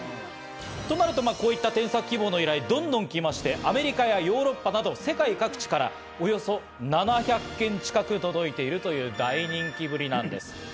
となるとこういった添削希望がどんどん来まして、アメリカやヨーロッパなど、世界各地からおよそ７００件近く届いているという大人気ぶりなんです。